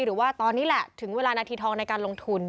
หรือว่าตอนนี้แหละถึงเวลานาทีทองในการลงทุน